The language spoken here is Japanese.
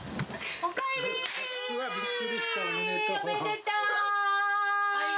おめでとう。